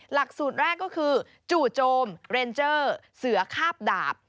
หลักสูตรแรกก็คือจู่โจมเรนเจอร์เสือคาบดาบ